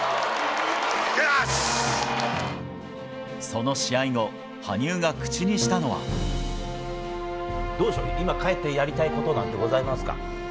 その試合後、羽生が口にしたどうでしょう、今帰ってやりたいことなんてございますか？